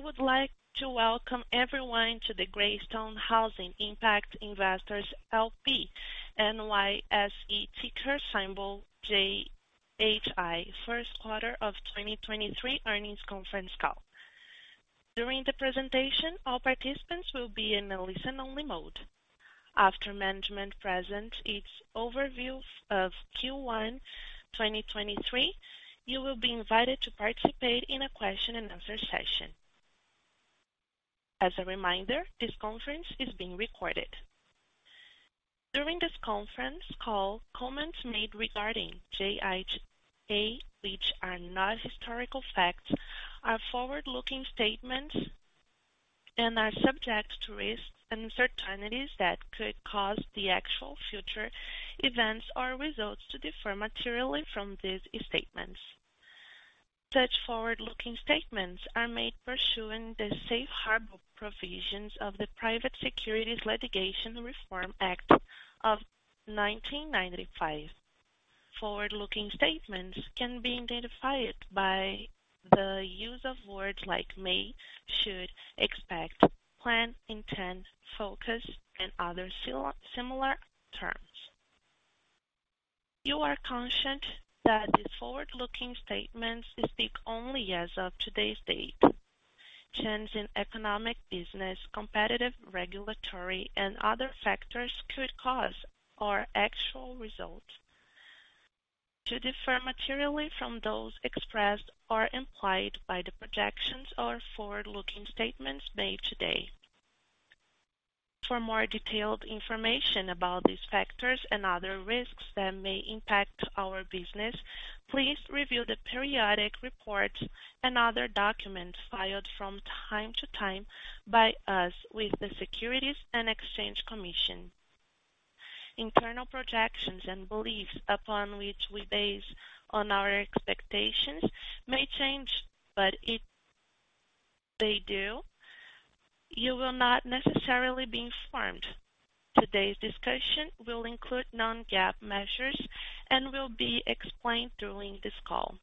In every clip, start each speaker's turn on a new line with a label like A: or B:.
A: I would like to welcome everyone to the Greystone Housing Impact Investors LP, NYSE ticker symbol GHI, Q1 of 2023 earnings Conference Call. During the presentation, all participants will be in a listen-only mode. After management presents its overview of Q1 2023, you will be invited to participate in a question-and-answer session. As a reminder, this conference is being recorded. During this conference call, comments made regarding JHI, which are not historical facts, are forward-looking statements and are subject to risks and uncertainties that could cause the actual future events or results to differ materially from these statements. Such forward-looking statements are made pursuant to safe harbor provisions of the Private Securities Litigation Reform Act of 1995. Forward-looking statements can be identified by the use of words like may, should, expect, plan, intend, focus, and other similar terms. You are cautioned that the forward-looking statements speak only as of today's date. Changes in economic, business, competitive, regulatory, and other factors could cause our actual results to differ materially from those expressed or implied by the projections or forward-looking statements made today. For more detailed information about these factors and other risks that may impact our business, please review the periodic report and other documents filed from time to time by us with the Securities and Exchange Commission. Internal projections and beliefs upon which we base on our expectations may change. If they do, you will not necessarily be informed. Today's discussion will include non-GAAP measures and will be explained during this call.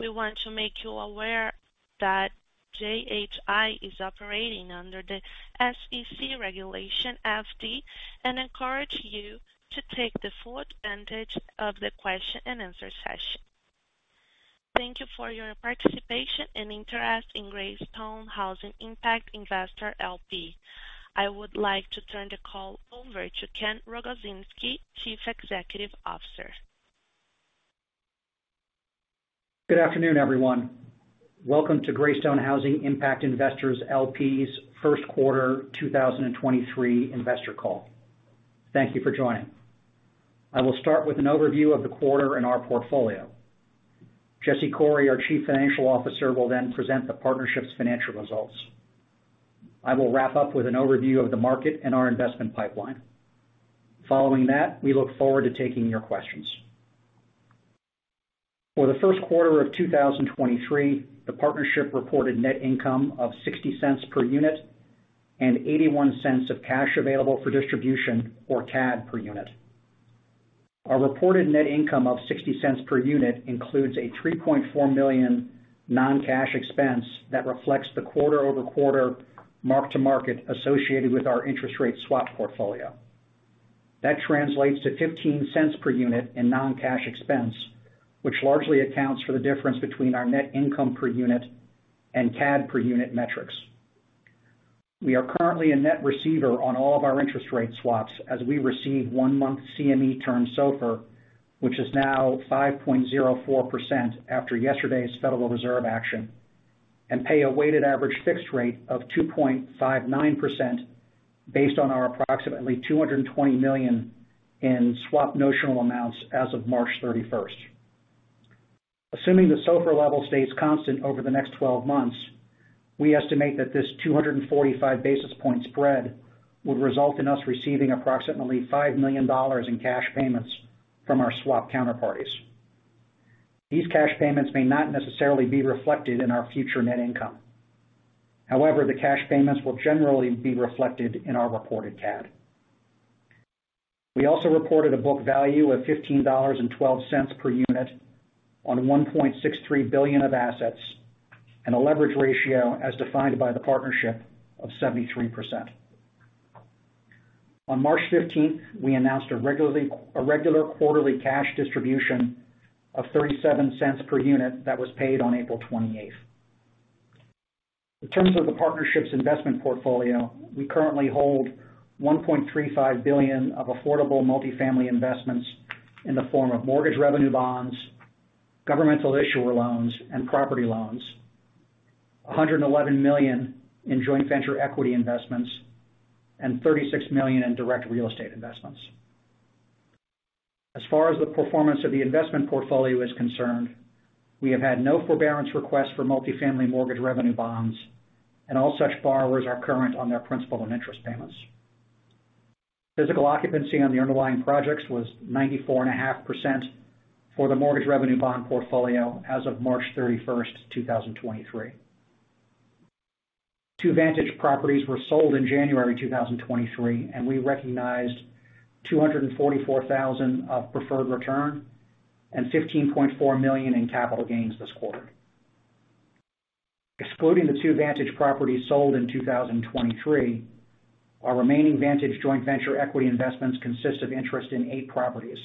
A: We want to make you aware that JHI is operating under the SEC Regulation FD and encourage you to take the full advantage of the question-and-answer session. Thank you for your participation and interest in Greystone Housing Impact Investors LP. I would like to turn the call over to Ken Rogozinski, Chief Executive Officer.
B: Good afternoon, everyone. Welcome to Greystone Housing Impact Investors LP's Q1 2023 investor call. Thank you for joining. I will start with an overview of the quarter in our portfolio. Jesse Coury, our Chief Financial Officer, will then present the partnership's financial results. I will wrap up with an overview of the market and our investment pipeline. Following that, we look forward to taking your questions. For the Q1 of 2023, the partnership reported net income of $0.60 per unit and $0.81 of cash available for distribution or CAD per unit. Our reported net income of $0.60 per unit includes a $3.4 million non-cash expense that reflects the quarter-over-quarter mark-to-market associated with our interest rate swap portfolio. That translates to $0.15 per unit in non-cash expense, which largely accounts for the difference between our net income per unit and CAD per unit metrics. We are currently a net receiver on all of our interest rate swaps as we receive one-month CME Term SOFR, which is now 5.04% after yesterday's Federal Reserve action, and pay a weighted average fixed rate of 2.59% based on our approximately $220 million in swap notional amounts as of March 31st. Assuming the SOFR level stays constant over the next 12 months, we estimate that this 245 basis point spread would result in us receiving approximately $5 million in cash payments from our swap counterparties. These cash payments may not necessarily be reflected in our future net income. The cash payments will generally be reflected in our reported CAD. We also reported a book value of $15.12 per unit on $1.63 billion of assets and a leverage ratio as defined by the partnership of 73%. On March 15th, we announced a regular quarterly cash distribution of $0.37 per unit that was paid on April 28th. In terms of the partnership's investment portfolio, we currently hold $1.35 billion of affordable multifamily investments in the form of mortgage revenue bonds, governmental issuer loans, and property loans. $111 million in joint venture equity investments and $36 million in direct real estate investments. As far as the performance of the investment portfolio is concerned, we have had no forbearance requests for multifamily mortgage revenue bonds, and all such borrowers are current on their principal and interest payments. Physical occupancy on the underlying projects was 94.5% for the mortgage revenue bond portfolio as of March 31, 2023. two Vantage properties were sold in January 2023, and we recognized $244,000 of preferred return and $15.4 million in capital gains this quarter. Excluding the two Vantage properties sold in 2023, our remaining Vantage joint venture equity investments consist of interest in eight properties.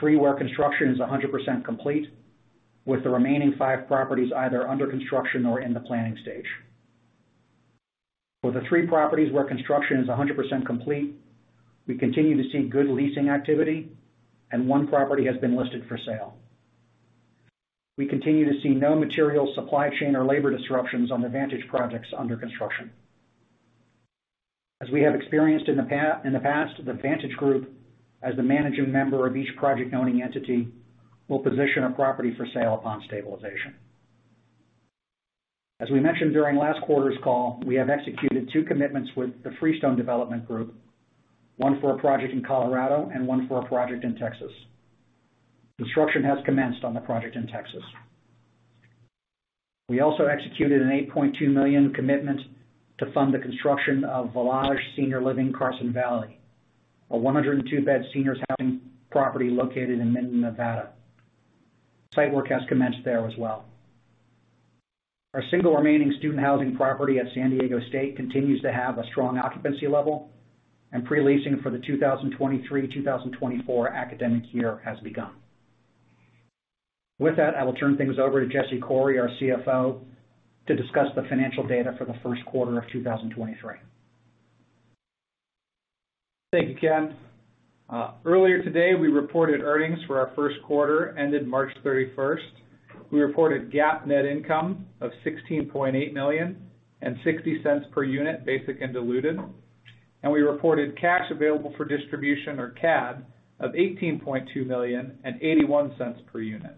B: Three where construction is 100% complete, with the remaining five properties either under construction or in the planning stage. For the three properties where construction is 100% complete, we continue to see good leasing activity, and one property has been listed for sale. We continue to see no material supply chain or labor disruptions on the Vantage projects under construction. As we have experienced in the past, The Vantage Group, as the managing member of each project-owning entity, will position a property for sale upon stabilization. As we mentioned during last quarter's call, we have executed two commitments with the Freestone Development Group, one for a project in Colorado and one for a project in Texas. Construction has commenced on the project in Texas. We also executed an $8.2 million commitment to fund the construction of Village Senior Living Carson Valley, a 102-bed senior housing property located in Minden, Nevada. Site work has commenced there as well. Our single remaining student housing property at San Diego State continues to have a strong occupancy level, and pre-leasing for the 2023/2024 academic year has begun. With that, I will turn things over to Jesse Coury, our CFO, to discuss the financial data for the Q1 of 2023.
C: Thank you, Ken. Earlier today, we reported earnings for our Q1 ended March 31st. We reported GAAP net income of $16.8 million and $0.60 per unit, basic and diluted. We reported cash available for distribution, or CAD, of $18.2 million and $0.81 per unit.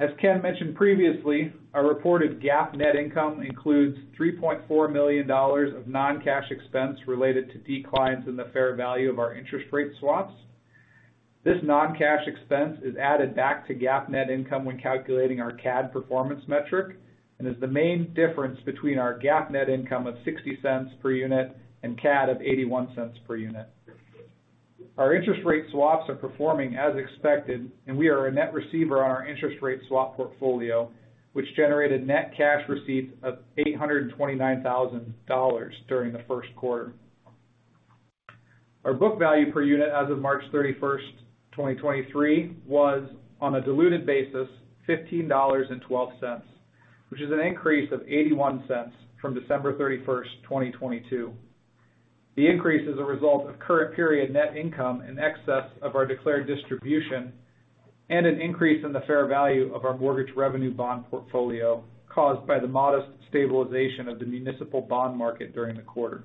C: As Ken mentioned previously, our reported GAAP net income includes $3.4 million of non-cash expense related to declines in the fair value of our interest rate swaps. This non-cash expense is added back to GAAP net income when calculating our CAD performance metric, and is the main difference between our GAAP net income of $0.60 per unit and CAD of $0.81 per unit. Our interest rate swaps are performing as expected, and we are a net receiver on our interest rate swap portfolio, which generated net cash receipts of $829,000 during the Q1. Our book value per unit as of March 31, 2023 was, on a diluted basis, $15.12, which is an increase of $0.81 from December 31, 2022. The increase is a result of current period net income in excess of our declared distribution and an increase in the fair value of our mortgage revenue bond portfolio caused by the modest stabilization of the municipal bond market during the quarter.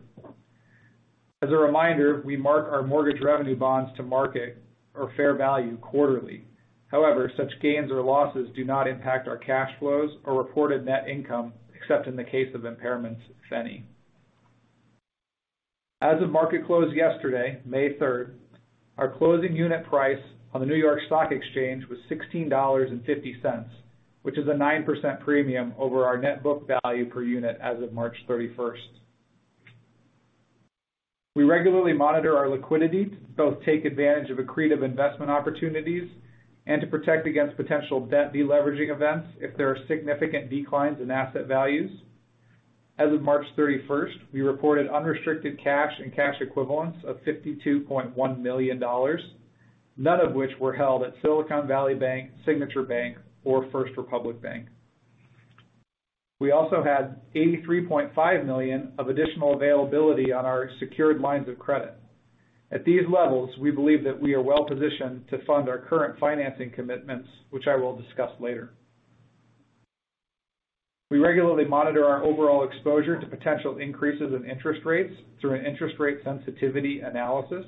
C: As a reminder, we mark our mortgage revenue bonds to market or fair value quarterly. Such gains or losses do not impact our cash flows or reported net income, except in the case of impairments, if any. As of market close yesterday, May 3rd, our closing unit price on the New York Stock Exchange was $16.50, which is a 9% premium over our net book value per unit as of March 31st. We regularly monitor our liquidity to both take advantage of accretive investment opportunities and to protect against potential debt de-leveraging events if there are significant declines in asset values. As of March 31st, we reported unrestricted cash and cash equivalents of $52.1 million, none of which were held at Silicon Valley Bank, Signature Bank, or First Republic Bank. We also had $83.5 million of additional availability on our secured lines of credit. At these levels, we believe that we are well-positioned to fund our current financing commitments, which I will discuss later. We regularly monitor our overall exposure to potential increases in interest rates through an interest rate sensitivity analysis,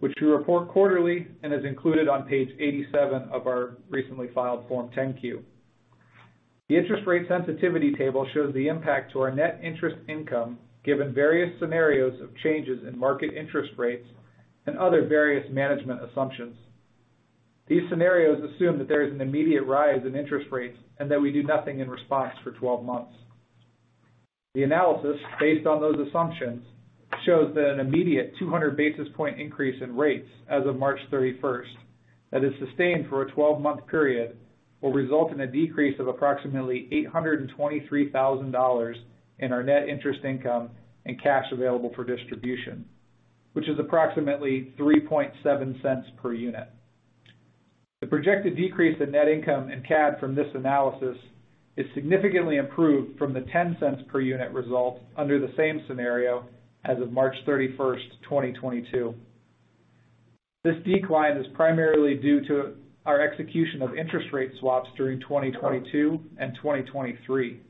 C: which we report quarterly and is included on page 87 of our recently filed Form 10-Q. The interest rate sensitivity table shows the impact to our net interest income given various scenarios of changes in market interest rates and other various management assumptions. These scenarios assume that there is an immediate rise in interest rates, and that we do nothing in response for 12 months. The analysis, based on those assumptions, shows that an immediate 200 basis point increase in rates as of March 31st that is sustained for a 12-month period will result in a decrease of approximately $823,000 in our net interest income and cash available for distribution, which is approximately $0.037 per unit. The projected decrease in net income and CAD from this analysis is significantly improved from the $0.10 per unit result under the same scenario as of March 31, 2022. This decline is primarily due to our execution of interest rate swaps during 2022 and 2023.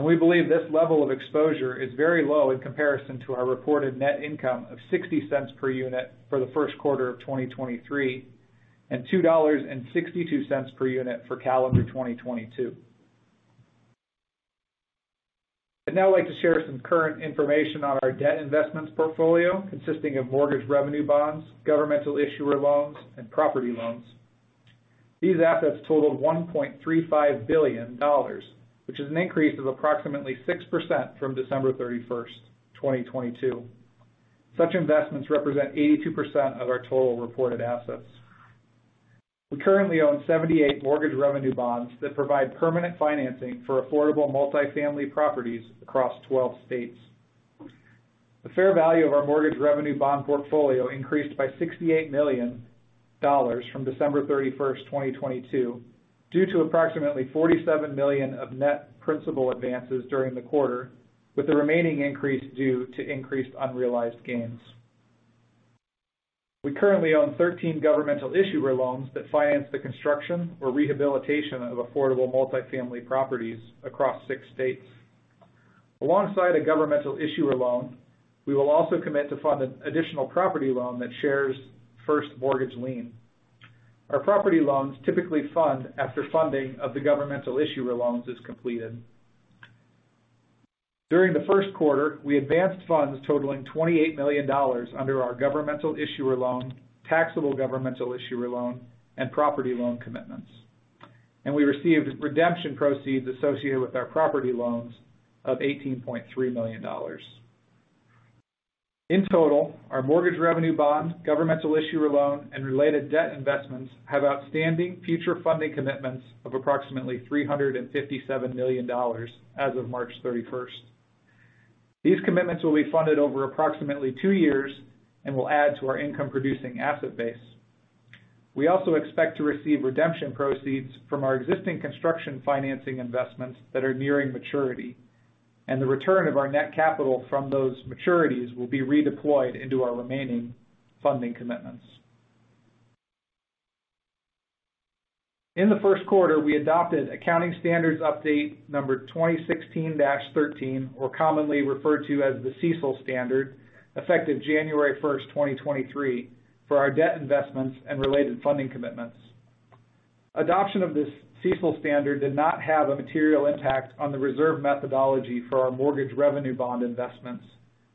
C: We believe this level of exposure is very low in comparison to our reported net income of $0.60 per unit for the Q1 of 2023 and $2.62 per unit for calendar 2022. I'd now like to share some current information on our debt investments portfolio, consisting of mortgage revenue bonds, governmental issuer loans, and property loans. These assets totaled $1.35 billion, which is an increase of approximately 6% from December 31, 2022. Such investments represent 82% of our total reported assets. We currently own 78 mortgage revenue bonds that provide permanent financing for affordable multifamily properties across 12 states. The fair value of our mortgage revenue bond portfolio increased by $68 million from December 31, 2022, due to approximately $47 million of net principal advances during the quarter, with the remaining increase due to increased unrealized gains. We currently own 13 governmental issuer loans that finance the construction or rehabilitation of affordable multifamily properties across 6 states. Alongside a governmental issuer loan, we will also commit to fund an additional property loan that shares first mortgage lien. Our property loans typically fund after funding of the governmental issuer loans is completed. During the Q1, we advanced funds totaling $28 million under our governmental issuer loan, taxable governmental issuer loan, and property loan commitments. We received redemption proceeds associated with our property loans of $18.3 million. In total, our mortgage revenue bond, governmental issuer loan, and related debt investments have outstanding future funding commitments of approximately $357 million as of March 31. These commitments will be funded over approximately 2 years and will add to our income-producing asset base. We also expect to receive redemption proceeds from our existing construction financing investments that are nearing maturity, and the return of our net capital from those maturities will be redeployed into our remaining funding commitments. In the Q1, we adopted Accounting Standards Update 2016-13, or commonly referred to as the CECL standard, effective January 1, 2023, for our debt investments and related funding commitments. Adoption of this CECL standard did not have a material impact on the reserve methodology for our mortgage revenue bond investments,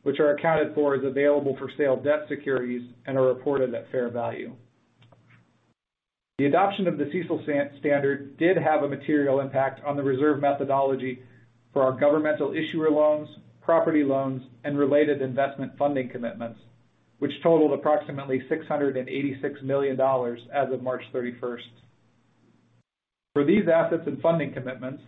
C: which are accounted for as available for sale debt securities and are reported at fair value. The adoption of the CECL standard did have a material impact on the reserve methodology for our governmental issuer loans, property loans, and related investment funding commitments, which totaled approximately $686 million as of March 31st. For these assets and funding commitments,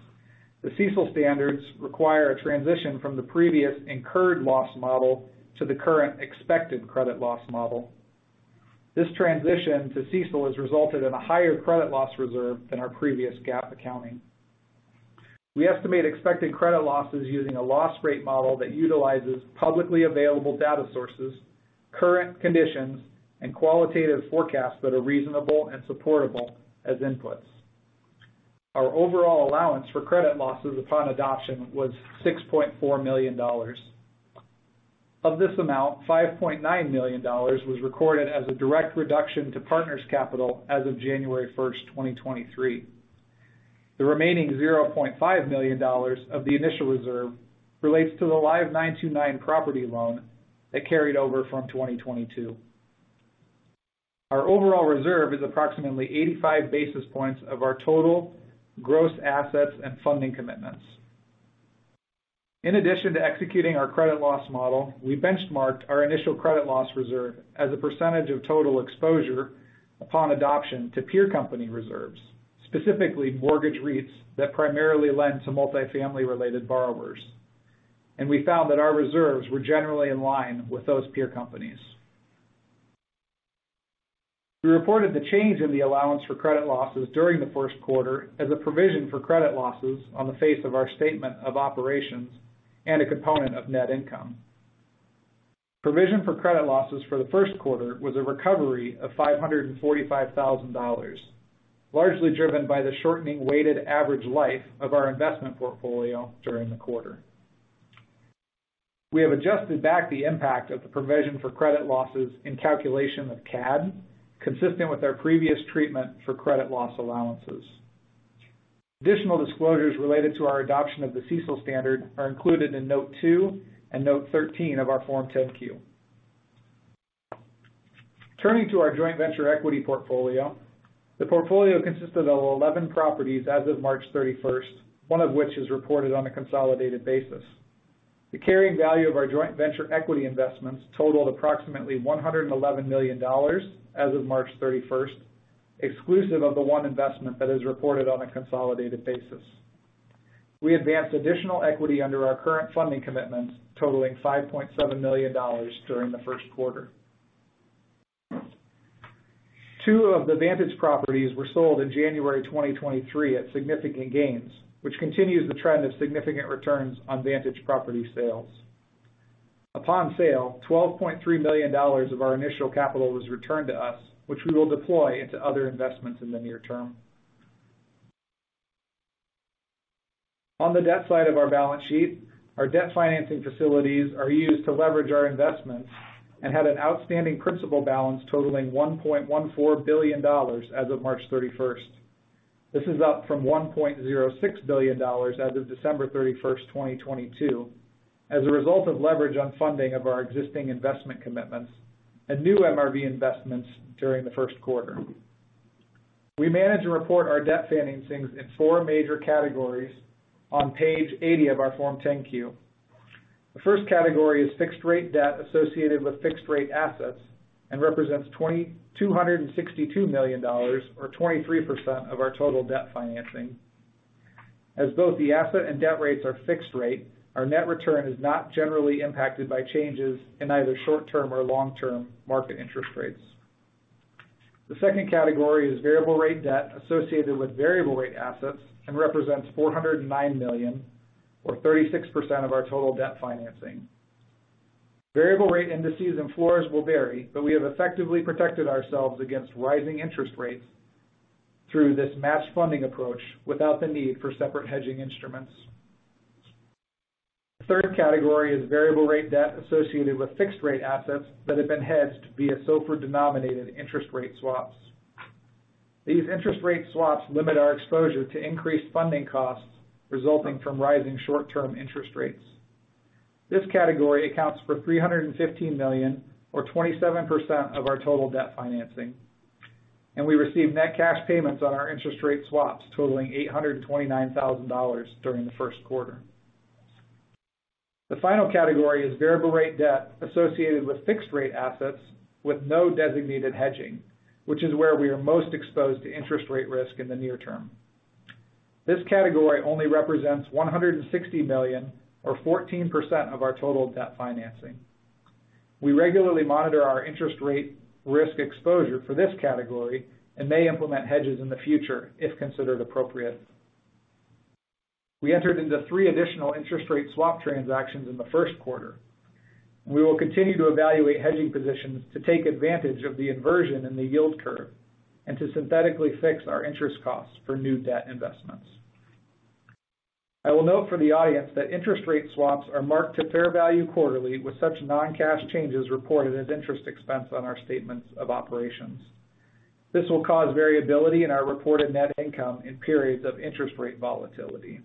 C: the CECL standards require a transition from the previous incurred loss model to the current expected credit loss model. This transition to CECL has resulted in a higher credit loss reserve than our previous GAAP accounting. We estimate expected credit losses using a loss rate model that utilizes publicly available data sources, current conditions, and qualitative forecasts that are reasonable and supportable as inputs. Our overall allowance for credit losses upon adoption was $6.4 million. Of this amount, $5.9 million was recorded as a direct reduction to partners' capital as of January 1, 2023. The remaining $0.5 million of the initial reserve relates to the Live 929 property loan that carried over from 2022. Our overall reserve is approximately 85 basis points of our total gross assets and funding commitments. In addition to executing our credit loss model, we benchmarked our initial credit loss reserve as a percentage of total exposure upon adoption to peer company reserves, specifically mortgage REITs that primarily lend to multifamily-related borrowers. We found that our reserves were generally in line with those peer companies. We reported the change in the allowance for credit losses during the Q1 as a provision for credit losses on the face of our statement of operations and a component of net income. Provision for credit losses for the Q1 was a recovery of $545,000, largely driven by the shortening weighted average life of our investment portfolio during the quarter. We have adjusted back the impact of the provision for credit losses in calculation of CAD, consistent with our previous treatment for credit loss allowances. Additional disclosures related to our adoption of the CECL standard are included in Note 2 and Note 13 of our Form 10-Q. Turning to our joint venture equity portfolio. The portfolio consisted of 11 properties as of March 31st, one of which is reported on a consolidated basis. The carrying value of our joint venture equity investments totaled approximately $111 million as of March 31st, exclusive of the one investment that is reported on a consolidated basis. We advanced additional equity under our current funding commitments totaling $5.7 million during the Q1. Two of the Vantage properties were sold in January 2023 at significant gains, which continues the trend of significant returns on Vantage property sales. Upon sale, $12.3 million of our initial capital was returned to us, which we will deploy into other investments in the near term. On the debt side of our balance sheet, our debt financing facilities are used to leverage our investments and had an outstanding principal balance totaling $1.14 billion as of March 31st. This is up from $1.06 billion as of December 31st, 2022, as a result of leverage on funding of our existing investment commitments and new MRB investments during the Q1. We manage and report our debt financings in four major categories on page 80 of our Form 10-Q. The first category is fixed-rate debt associated with fixed-rate assets and represents $2,262 million or 23% of our total debt financing. As both the asset and debt rates are fixed rate, our net return is not generally impacted by changes in either short-term or long-term market interest rates. The second category is variable rate debt associated with variable rate assets and represents $409 million or 36% of our total debt financing. Variable rate indices and floors will vary, we have effectively protected ourselves against rising interest rates through this matched funding approach without the need for separate hedging instruments. Third category is variable rate debt associated with fixed rate assets that have been hedged via SOFR-denominated interest rate swaps. These interest rate swaps limit our exposure to increased funding costs resulting from rising short-term interest rates. This category accounts for $315 million or 27% of our total debt financing, and we received net cash payments on our interest rate swaps totaling $829,000 during the Q1. The final category is variable rate debt associated with fixed rate assets with no designated hedging, which is where we are most exposed to interest rate risk in the near term. This category only represents $160 million or 14% of our total debt financing. We regularly monitor our interest rate risk exposure for this category and may implement hedges in the future if considered appropriate. We entered into 3 additional interest rate swap transactions in the Q1. We will continue to evaluate hedging positions to take advantage of the inversion in the yield curve and to synthetically fix our interest costs for new debt investments. I will note for the audience that interest rate swaps are marked to fair value quarterly with such non-cash changes reported as interest expense on our statements of operations. This will cause variability in our reported net income in periods of interest rate volatility.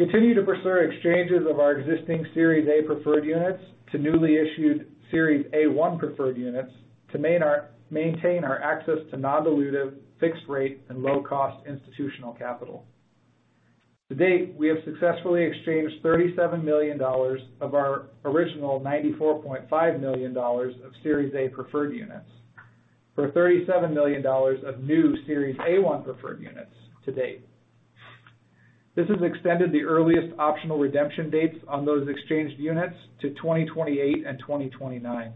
C: Continue to pursue exchanges of our existing Series A Preferred Units to newly issued Series A-1 Preferred Units to maintain our access to non-dilutive, fixed-rate, and low-cost institutional capital. To date, we have successfully exchanged $37 million of our original $94.5 million of Series A Preferred Units for $37 million of new Series A-1 Preferred Units to date. This has extended the earliest optional redemption dates on those exchanged units to 2028 and 2029.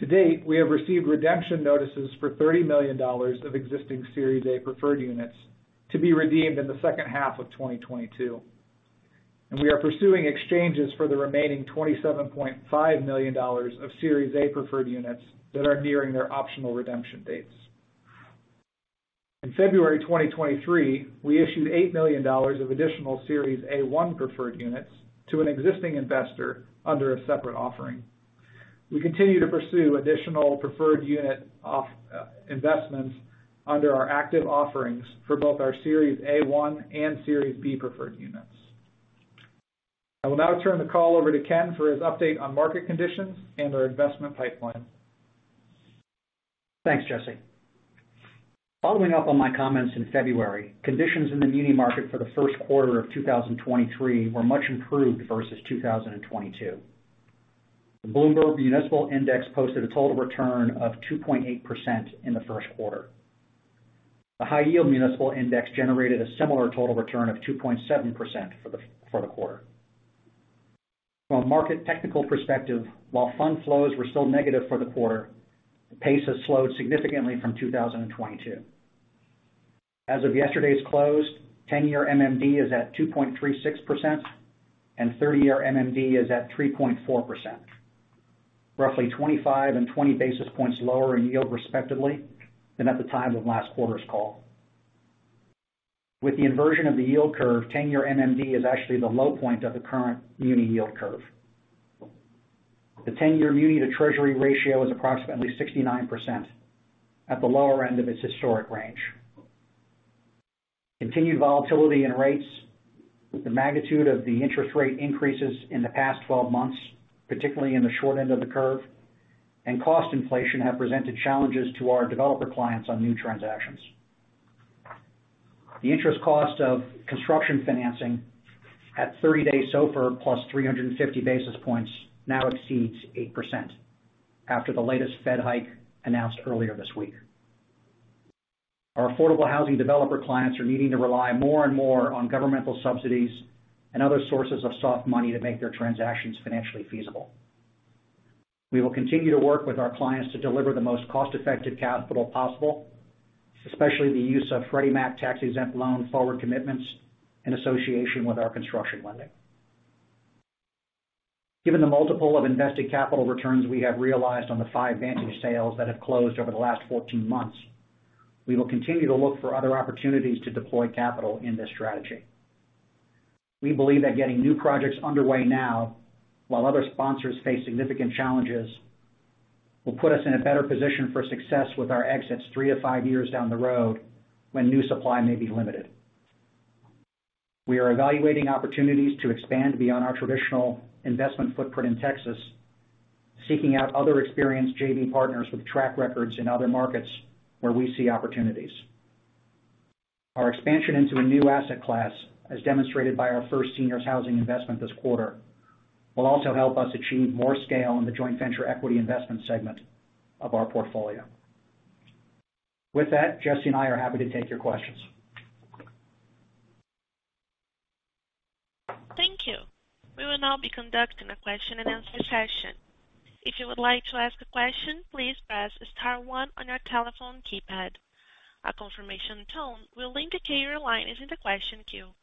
C: To date, we have received redemption notices for $30 million of existing Series A Preferred Units to be redeemed in the second half of 2022. We are pursuing exchanges for the remaining $27.5 million of Series A Preferred Units that are nearing their optional redemption dates. In February 2023, we issued $8 million of additional Series A-1 Preferred Units to an existing investor under a separate offering. We continue to pursue additional preferred unit investments under our active offerings for both our Series A-1 and Series B Preferred Units. I will now turn the call over to Ken for his update on market conditions and our investment pipeline.
B: Thanks, Jesse. Following up on my comments in February, conditions in the muni market for the first quarter of 2023 were much improved versus 2022. The Bloomberg Municipal Index posted a total return of 2.8% in the Q1. The High Yield Municipal Index generated a similar total return of 2.7% for the quarter. From a market technical perspective, while fund flows were still negative for the quarter, the pace has slowed significantly from 2022. As of yesterday's close, 10-year MMD is at 2.36% and 30-year MMD is at 3.4%. Roughly 25 and 20 basis points lower in yield respectively than at the time of last quarter's call. With the inversion of the yield curve, 10-year MMD is actually the low point of the current muni yield curve. The 10-year muni to treasury ratio is approximately 69% at the lower end of its historic range. Continued volatility in rates with the magnitude of the interest rate increases in the past 12 months, particularly in the short end of the curve, and cost inflation have presented challenges to our developer clients on new transactions. The interest cost of construction financing at 30-day SOFR plus 350 basis points now exceeds 8% after the latest Fed hike announced earlier this week. Our affordable housing developer clients are needing to rely more and more on governmental subsidies and other sources of soft money to make their transactions financially feasible. We will continue to work with our clients to deliver the most cost-effective capital possible, especially the use of Freddie Mac tax-exempt loan forward commitments in association with our construction lending. Given the multiple of invested capital returns we have realized on the 5 Vantage sales that have closed over the last 14 months, we will continue to look for other opportunities to deploy capital in this strategy. We believe that getting new projects underway now, while other sponsors face significant challenges, will put us in a better position for success with our exits 3-5 years down the road when new supply may be limited. We are evaluating opportunities to expand beyond our traditional investment footprint in Texas, seeking out other experienced JV partners with track records in other markets where we see opportunities. Our expansion into a new asset class, as demonstrated by our first seniors housing investment this quarter, will also help us achieve more scale in the joint venture equity investment segment of our portfolio. With that, Jesse and I are happy to take your questions.
A: Thank you. We will now be conducting a question-and-answer session. If you would like to ask a question, please press star one on your telephone keypad. A confirmation tone will indicate your line is in the question queue.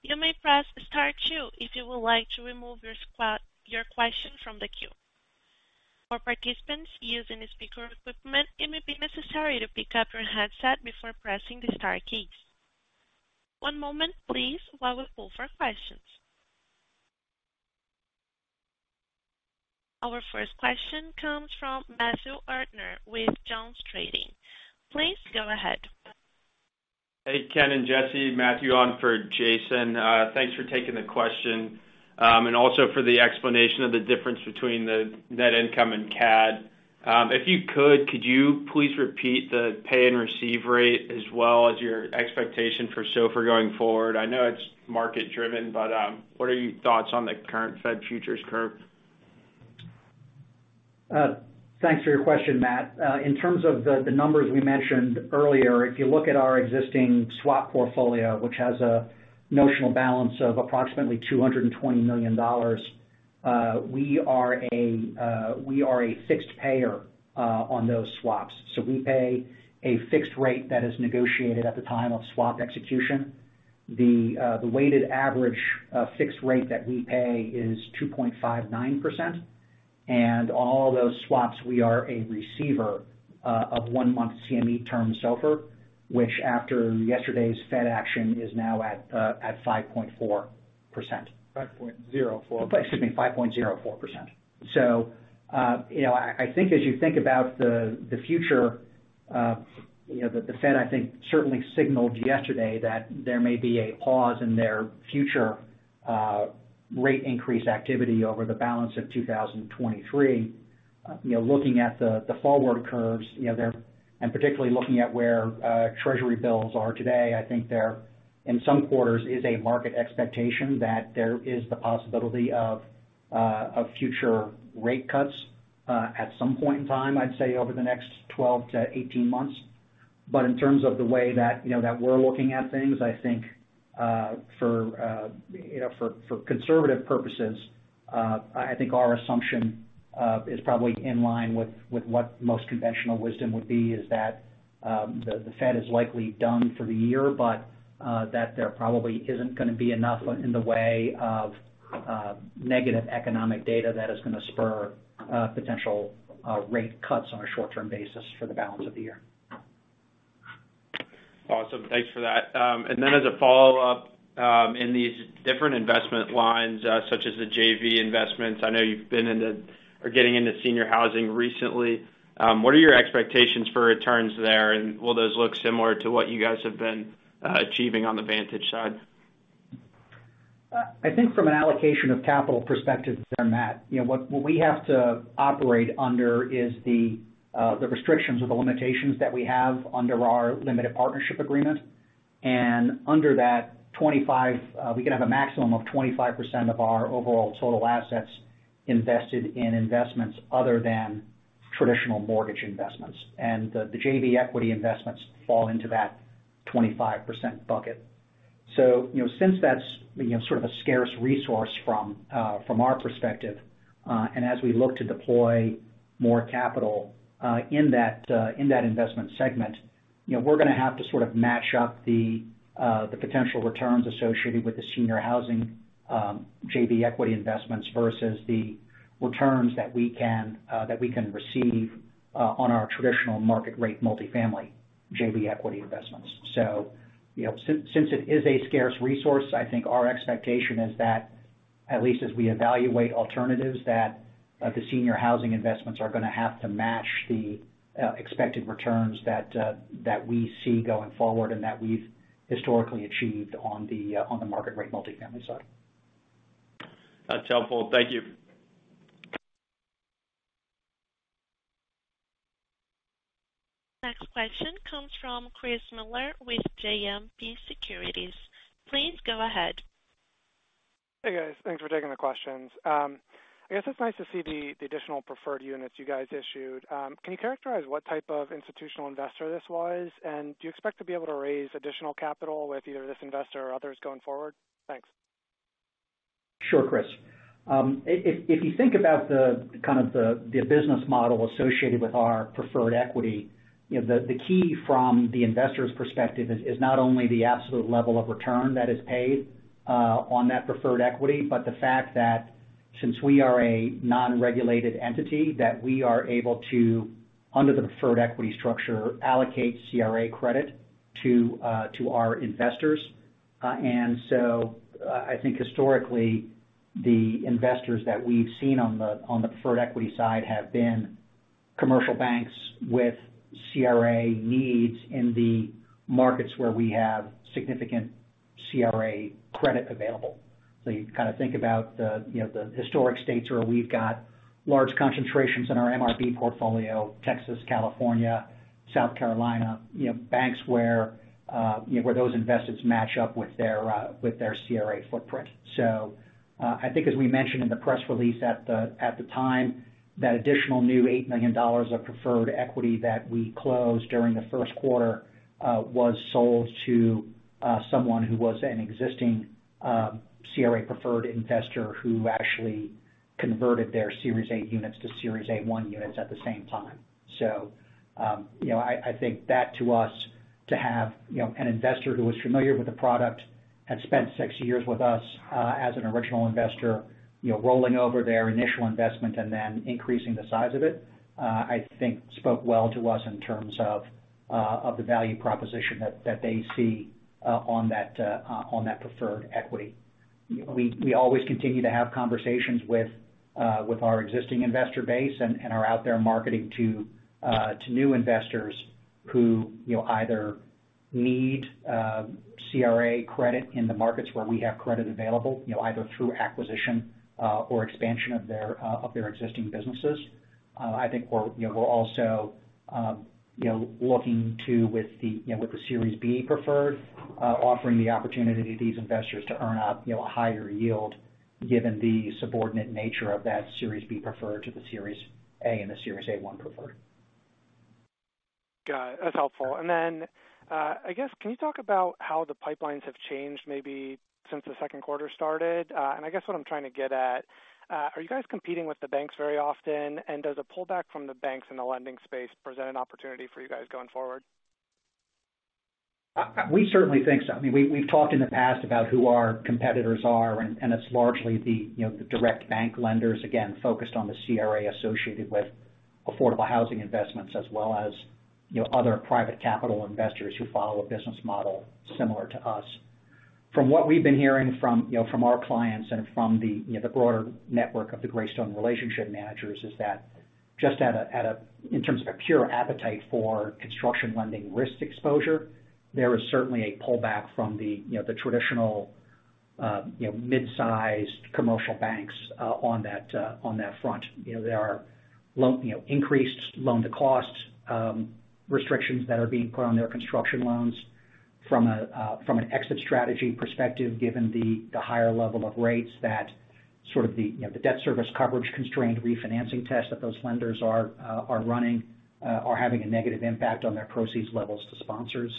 A: You may press star two if you would like to remove your question from the queue. For participants using speaker equipment, it may be necessary to pick up your headset before pressing the star keys. One moment please while we pull for questions. Our first question comes from Matthew Erdner with JonesTrading. Please go ahead.
D: Hey, Ken and Jesse. Matthew on for Jason. Thanks for taking the question, and also for the explanation of the difference between the net income and CAD. If you could you please repeat the pay and receive rate as well as your expectation for SOFR going forward? I know it's market driven, but what are your thoughts on the current Fed futures curve?
B: Thanks for your question, Matt. In terms of the numbers we mentioned earlier, if you look at our existing swap portfolio, which has a notional balance of approximately $220 million, we are a fixed payer on those swaps. We pay a fixed rate that is negotiated at the time of swap execution. The weighted average fixed rate that we pay is 2.59%. All those swaps, we are a receiver of one-month CME Term SOFR, which after yesterday's Fed action, is now at 5.4%.
D: 5.04.
B: Excuse me, 5.04%. You know, I think as you think about the future, you know, the Fed, I think, certainly signaled yesterday that there may be a pause in their future rate increase activity over the balance of 2023. You know, looking at the forward curves, you know, and particularly looking at where Treasury bills are today, I think there, in some quarters, is a market expectation that there is the possibility of future rate cuts at some point in time, I'd say over the next 12 to 18 months. In terms of the way that, you know, that we're looking at things, I think for, you know, for conservative purposes, I think our assumption is probably in line with what most conventional wisdom would be is that, the Fed is likely done for the year, but that there probably isn't gonna be enough in the way of negative economic data that is gonna spur potential rate cuts on a short-term basis for the balance of the year.
D: Awesome. Thanks for that. As a follow-up, in these different investment lines, such as the JV investments, I know you've been into or getting into senior housing recently. What are your expectations for returns there, and will those look similar to what you guys have been achieving on the Vantage side?
B: I think from an allocation of capital perspective there, Matt, you know, what we have to operate under is the restrictions or the limitations that we have under our limited partnership agreement. Under that, we can have a maximum of 25% of our overall total assets invested in investments other than traditional mortgage investments. The JV equity investments fall into that 25% bucket. You know, since that's, you know, sort of a scarce resource from our perspective, and as we look to deploy more capital in that, in that investment segment, you know, we're gonna have to sort of match up the potential returns associated with the senior housing JV equity investments versus the returns that we can, that we can receive on our traditional market rate multifamily JV equity investments. You know, since it is a scarce resource, I think our expectation is that, at least as we evaluate alternatives, that, the senior housing investments are gonna have to match the, expected returns that we see going forward and that we've historically achieved on the, on the market rate multifamily side.
D: That's helpful. Thank you.
A: Next question comes from Christopher Miller with JMP Securities. Please go ahead.
E: Hey, guys. Thanks for taking the questions. I guess it's nice to see the additional preferred units you guys issued. Can you characterize what type of institutional investor this was? Do you expect to be able to raise additional capital with either this investor or others going forward? Thanks.
B: Sure, Chris. If you think about the kind of the business model associated with our preferred equity, you know, the key from the investor's perspective is not only the absolute level of return that is paid on that preferred equity, but the fact that, since we are a non-regulated entity that we are able to, under the preferred equity structure, allocate CRA credit to our investors. I think historically, the investors that we've seen on the preferred equity side have been commercial banks with CRA needs in the markets where we have significant CRA credit available. You kind of think about the, you know, the historic states where we've got large concentrations in our MRB portfolio, Texas, California, South Carolina, you know, banks where, you know, where those investments match up with their with their CRA footprint. I think as we mentioned in the press release at the, at the time, that additional new $8 million of preferred equity that we closed during the Q1, was sold to someone who was an existing, CRA preferred investor who actually converted their Series A Units to Series A-1 Units at the same time. You know, I think that to us, to have, you know, an investor who was familiar with the product, had spent 6 years with us, as an original investor, you know, rolling over their initial investment and then increasing the size of it, I think spoke well to us in terms of the value proposition that they see, on that preferred equity. We always continue to have conversations with our existing investor base and are out there marketing to new investors who, you know, either need CRA credit in the markets where we have credit available, you know, either through acquisition, or expansion of their existing businesses. I think we're, you know, we're also, you know, looking to with the, you know, with the Series B Preferred, offering the opportunity to these investors to earn a, you know, a higher yield given the subordinate nature of that Series B Preferred to the Series A and the Series A-1 Preferred.
E: Got it. That's helpful. I guess can you talk about how the pipelines have changed maybe since the Q started? I guess what I'm trying to get at, are you guys competing with the banks very often? Does a pullback from the banks in the lending space present an opportunity for you guys going forward?
B: We certainly think so. I mean, we've talked in the past about who our competitors are, and it's largely the, you know, the direct bank lenders, again, focused on the CRA associated with affordable housing investments, as well as, you know, other private capital investors who follow a business model similar to us. From what we've been hearing from, you know, from our clients and from the, you know, the broader network of the Greystone relationship managers is that just in terms of a pure appetite for construction lending risk exposure, there is certainly a pullback from the, you know, the traditional, you know, mid-sized commercial banks on that front. You know, there are you know, increased loan to costs, restrictions that are being put on their construction loans from a from an exit strategy perspective, given the the higher level of rates that sort of the, you know, the debt service coverage constraint refinancing test that those lenders are are running are having a negative impact on their proceeds levels to sponsors.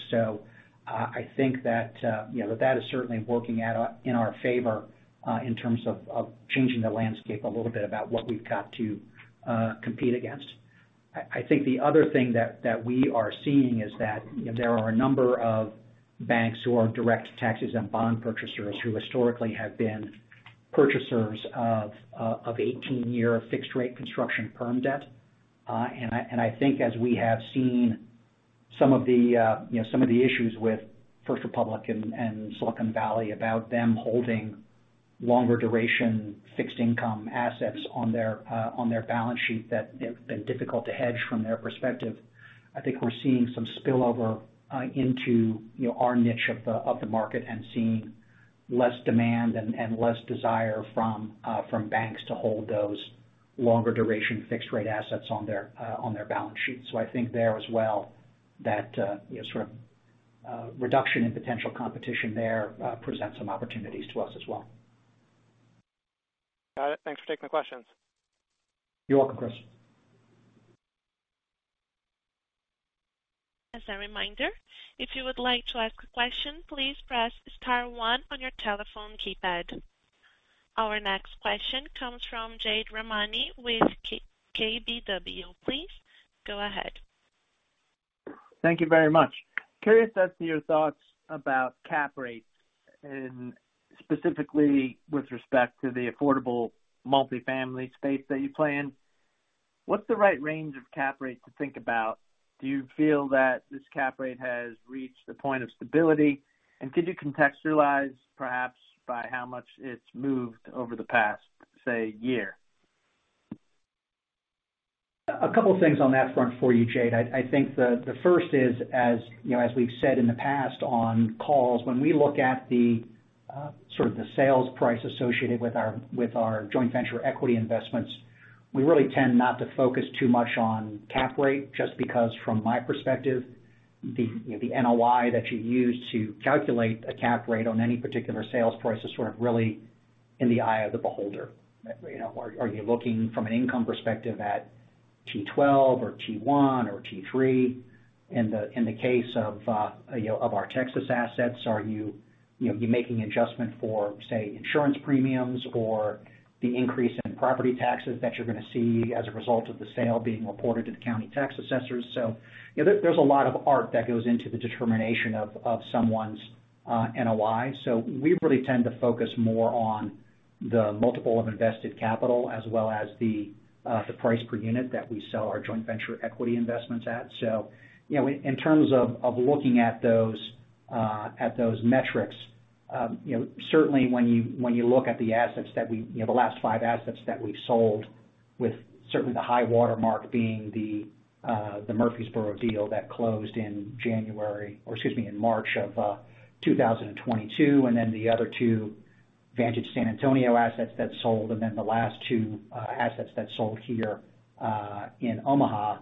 B: I think that, you know, that is certainly working in our favor in terms of changing the landscape a little bit about what we've got to compete against. I think the other thing that we are seeing is that, you know, there are a number of banks who are direct taxes and bond purchasers who historically have been purchasers of 18-year fixed rate construction perm debt. I, and I think as we have seen some of the, you know, some of the issues with First Republic and Silicon Valley about them holding longer duration fixed income assets on their, on their balance sheet that have been difficult to hedge from their perspective. I think we're seeing some spillover, into, you know, our niche of the, of the market and seeing less demand and less desire from banks to hold those longer duration fixed rate assets on their, on their balance sheets. I think there as well that, you know, sort of, reduction in potential competition there, presents some opportunities to us as well.
E: Got it. Thanks for taking the questions.
B: You're welcome, Chris.
A: As a reminder, if you would like to ask a question, please press star one on your telephone keypad. Our next question comes from Jade Rahmani with KBW. Please go ahead.
F: Thank you very much. Curious as to your thoughts about cap rates, and specifically with respect to the affordable multifamily space that you play in. What's the right range of cap rate to think about? Do you feel that this cap rate has reached the point of stability? Could you contextualize perhaps by how much it's moved over the past, say, year?
B: A couple of things on that front for you, Jade. I think the first is, as, you know, as we've said in the past on calls, when we look at the sort of the sales price associated with our, with our joint venture equity investments, we really tend not to focus too much on cap rate just because from my perspective, the, you know, the NOI that you use to calculate a cap rate on any particular sales price is sort of really in the eye of the beholder. You know, are you looking from an income perspective at T12 or T1 or T3? In the case of, you know, of our Texas assets, are you know, you making adjustment for, say, insurance premiums or the increase in property taxes that you're gonna see as a result of the sale being reported to the county tax assessors? You know, there's a lot of art that goes into the determination of someone's NOI. We really tend to focus more on the multiple of invested capital as well as the price per unit that we sell our joint venture equity investments at. You know, in terms of looking at those, at those metrics, you know, certainly when you, when you look at the assets that, you know, the last 5 assets that we've sold with certainly the high watermark being the Murfreesboro deal that closed in January, or excuse me, in March of 2022, and then the other 2 Vantage San Antonio assets that sold, and then the last 2, assets that sold here, in Omaha,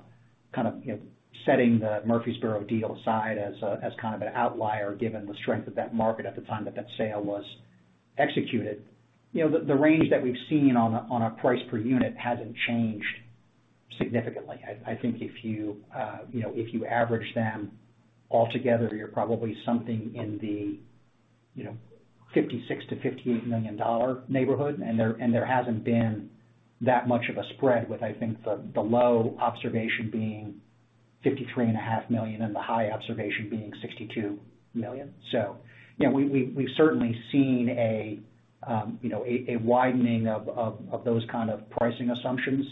B: kind of, you know, setting the Murfreesboro deal aside as a, as kind of an outlier, given the strength of that market at the time that that sale was executed. You know, the range that we've seen on a, on a price per unit hasn't changed significantly. I think if you know, if you average them all together, you're probably something in the, you know, $56 million-$58 million neighborhood. There hasn't been that much of a spread with, I think, the low observation being $53.5 million, and the high observation being $62 million. You know, we've certainly seen a, you know, a widening of those kind of pricing assumptions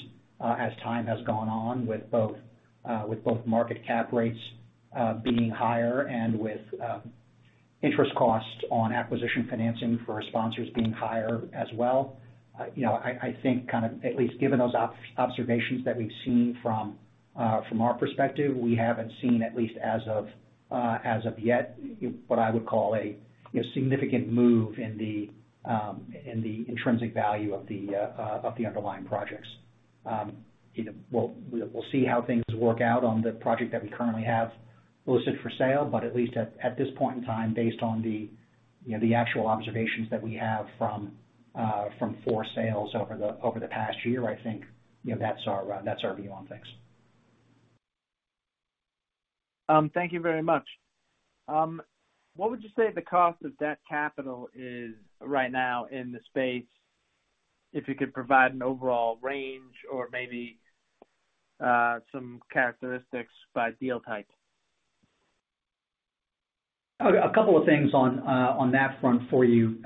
B: as time has gone on with both market cap rates being higher and with interest costs on acquisition financing for our sponsors being higher as well. You know, I think kind of at least given those observations that we've seen from our perspective, we haven't seen, at least as of, as of yet, what I would call a, you know, significant move in the intrinsic value of the underlying projects. You know, we'll see how things work out on the project that we currently have listed for sale, but at least at this point in time, based on the, you know, the actual observations that we have from four sales over the, over the past year, I think, you know, that's our, that's our view on things.
F: Thank you very much. What would you say the cost of debt capital is right now in the space, if you could provide an overall range or maybe some characteristics by deal type?
B: A couple of things on that front for you,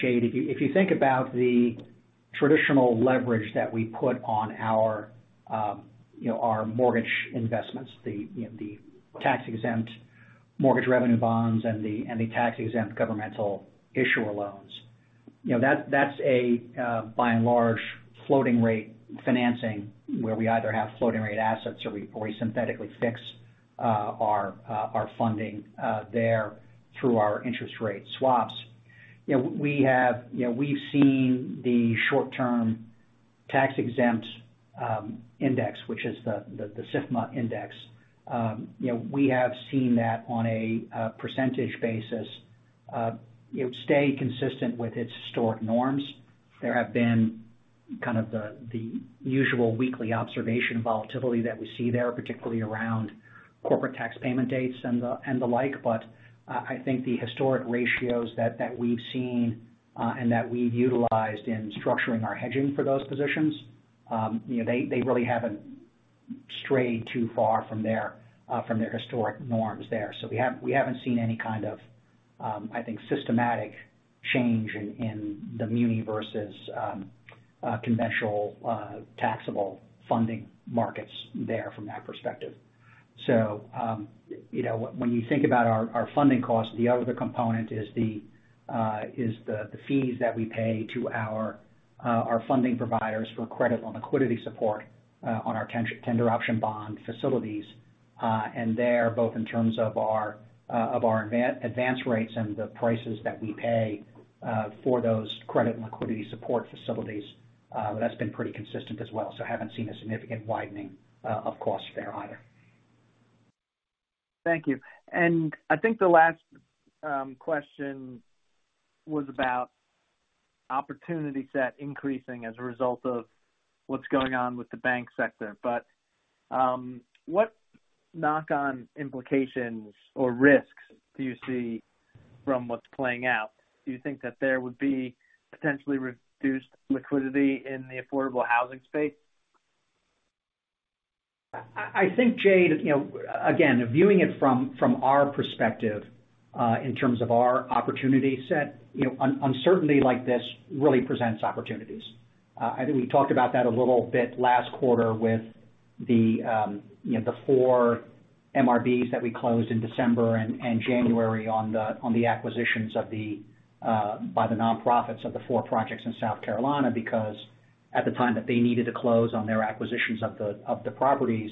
B: Jade. If you think about the traditional leverage that we put on our mortgage investments, the tax-exempt mortgage revenue bonds and the tax-exempt governmental issuer loans. That's a by and large, floating rate financing where we either have floating rate assets or we synthetically fix our funding there through our interest rate swaps. We've seen the short-term tax-exempt index, which is the SIFMA index. We have seen that on a percentage basis stay consistent with its historic norms. There have been kind of the usual weekly observation volatility that we see there, particularly around corporate tax payment dates and the, and the like. I think the historic ratios that we've seen, and that we've utilized in structuring our hedging for those positions, you know, they really haven't strayed too far from their from their historic norms there. We haven't seen any kind of, I think, systematic change in the muni versus conventional, taxable funding markets there from that perspective. You know, when you think about our funding costs, the other component is the fees that we pay to our funding providers for credit and liquidity support on our tender option bond facilities. There, both in terms of our, of our advance rates and the prices that we pay, for those credit and liquidity support facilities, that's been pretty consistent as well. Haven't seen a significant widening of costs there either.
F: Thank you. I think the last question was about opportunity set increasing as a result of what's going on with the bank sector. What knock-on implications or risks do you see from what's playing out? Do you think that there would be potentially reduced liquidity in the affordable housing space?
B: I think, Jade, you know, again, viewing it from our perspective, in terms of our opportunity set, you know, uncertainty like this really presents opportunities. I think we talked about that a little bit last quarter with the, you know, the 4 MRBs that we closed in December and January on the acquisitions of the by the nonprofits of the 4 projects in South Carolina. At the time that they needed to close on their acquisitions of the properties,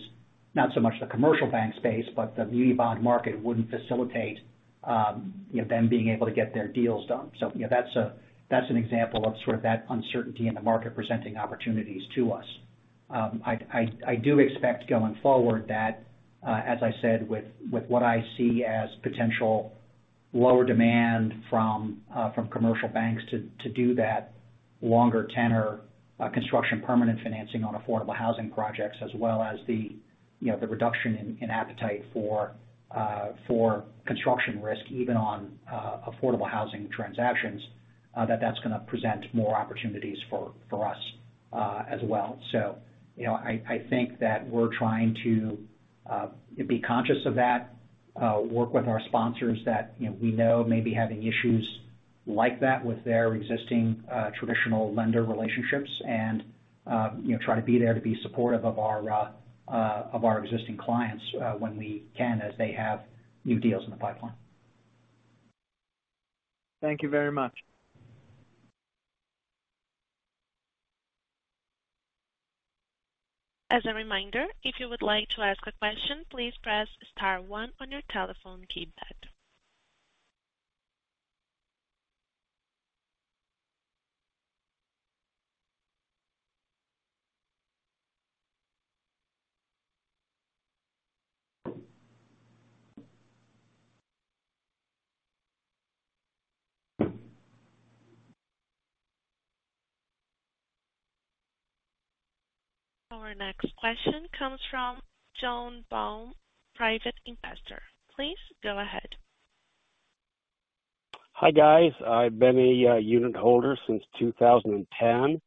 B: not so much the commercial bank space, but the muni bond market wouldn't facilitate, you know, them being able to get their deals done. You know, that's an example of sort of that uncertainty in the market presenting opportunities to us. I do expect going forward that, as I said, with what I see as potential lower demand from commercial banks to do that longer tenor, construction permanent financing on affordable housing projects, as well as the, you know, the reduction in appetite for construction risk even on affordable housing transactions, that that's gonna present more opportunities for us as well. You know, I think that we're trying to be conscious of that, work with our sponsors that, you know, we know may be having issues like that with their existing, traditional lender relationships and, you know, try to be there to be supportive of our existing clients, when we can as they have new deals in the pipeline.
F: Thank you very much.
A: As a reminder, if you would like to ask a question, please press star 1 on your telephone keypad. Our next question comes from John Baum, private investor. Please go ahead.
G: Hi, guys. I've been a unitholder since 2010.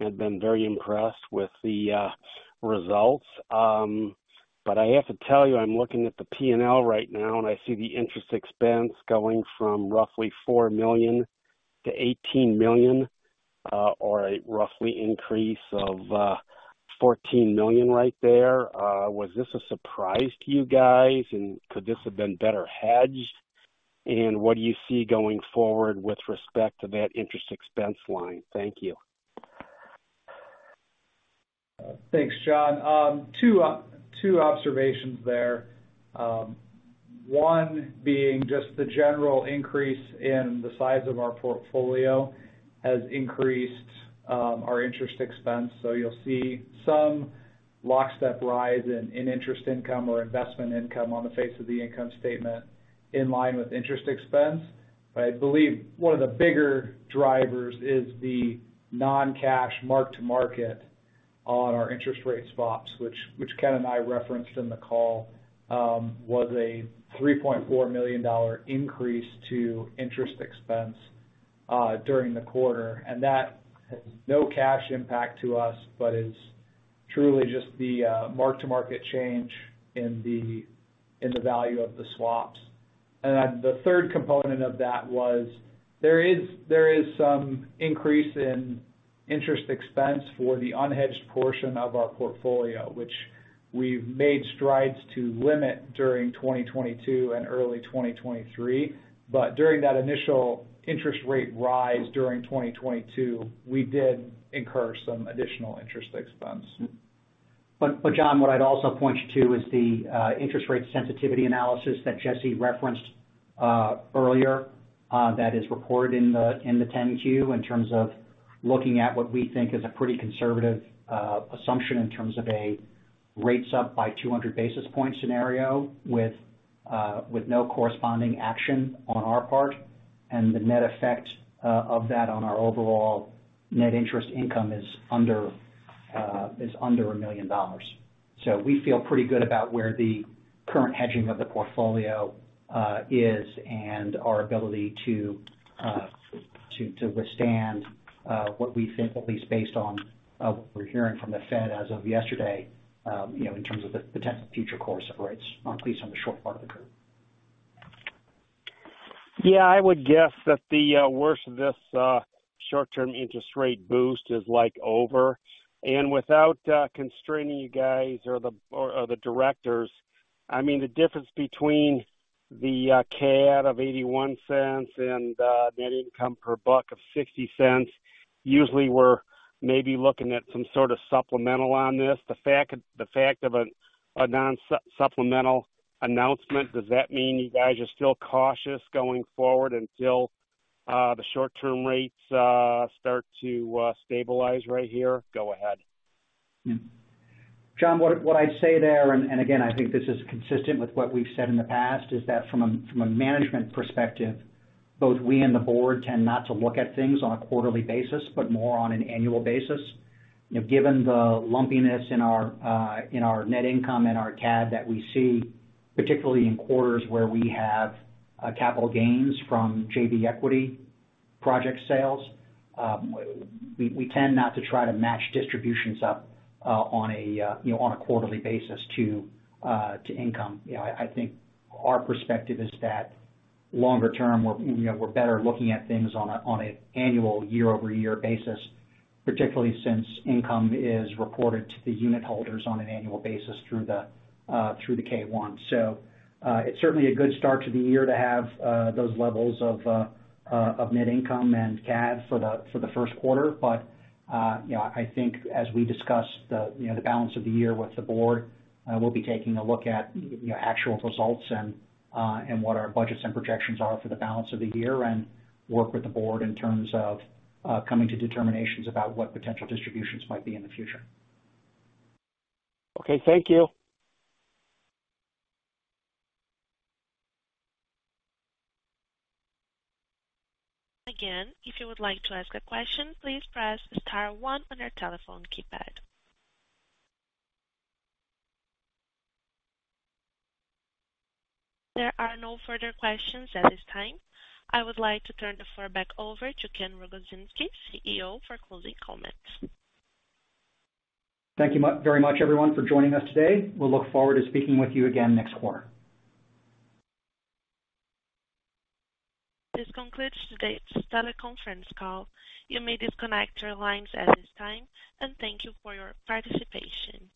G: I've been very impressed with the results. But I have to tell you, I'm looking at the P&L right now, and I see the interest expense going from roughly $4 million to $18 million, or a roughly increase of $14 million right there. Was this a surprise to you guys? Could this have been better hedged? What do you see going forward with respect to that interest expense line? Thank you.
C: Thanks, John. Two observations there. One being just the general increase in the size of our portfoliohas increased our interest expense. You'll see some lockstep rise in interest income or investment income on the face of the income statement in line with interest expense. I believe one of the bigger drivers is the non-cash mark-to-market on our interest rate swaps, which Ken and I referenced in the call, was a $3.4 million increase to interest expense during the quarter. That has no cash impact to us, but is truly just the mark-to-market change in the value of the swaps. The third component of that was there is some increase in interest expense for the unhedged portion of our portfolio, which we've made strides to limit during 2022 and early 2023. During that initial interest rate rise during 2022, we did incur some additional interest expense.
B: John, what I'd also point you to is the interest rate sensitivity analysis that Jesse referenced earlier that is reported in the 10-Q in terms of looking at what we think is a pretty conservative assumption in terms of a rates up by 200 basis points scenario with no corresponding action on our part. The net effect of that on our overall net interest income is under $1 million. We feel pretty good about where the current hedging of the portfolio is and our ability to withstand what we think, at least based on what we're hearing from the Fed as of yesterday, you know, in terms of the potential future course of rates, at least on the short part of the curve.
G: Yeah. I would guess that the worst of this short-term interest rate boost is like over. Without constraining you guys or the directors, I mean, the difference between the CAD of $0.81 and net income per buck of $0.60, usually we're maybe looking at some sort of supplemental on this. The fact of a non-supplemental announcement, does that mean you guys are still cautious going forward until the short-term rates start to stabilize right here? Go ahead.
B: John, what I'd say there, and again, I think this is consistent with what we've said in the past, is that from a management perspective, both we and the board tend not to look at things on a quarterly basis, but more on an annual basis. You know, given the lumpiness in our net income and our CAD that we see, particularly in quarters where we have capital gains from JV equity project sales, we tend not to try to match distributions up on a, you know, on a quarterly basis to income. You know, I think our perspective is that longer term we're, you know, better looking at things on an annual year-over-year basis, particularly since income is reported to the unitholders on an annual basis through the K-1. It's certainly a good start to the year to have those levels of net income and CAD for the Q1. You know, I think as we discuss the, you know, the balance of the year with the board, we'll be taking a look at, you know, actual results and what our budgets and projections are for the balance of the year and work with the board in terms of coming to determinations about what potential distributions might be in the future.
G: Okay. Thank you.
A: If you would like to ask a question, please press star one on your telephone keypad. There are no further questions at this time. I would like to turn the floor back over to Ken Rogozinski, CEO, for closing comments.
B: Thank you very much everyone for joining us today. We'll look forward to speaking with you again next quarter.
A: This concludes today's teleconference call. You may disconnect your lines at this time. Thank you for your participation.